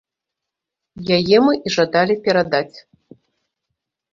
Яе мы і жадалі перадаць.